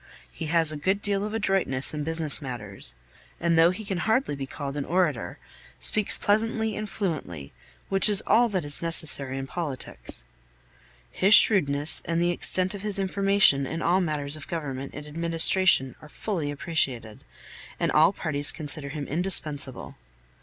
He has a good deal of adroitness in business matters; and though he can hardly be called an orator, speaks pleasantly and fluently, which is all that is necessary in politics. His shrewdness and the extent of his information in all matters of government and administration are fully appreciated, and all parties consider him indispensable.